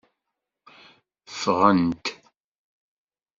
Ffɣent.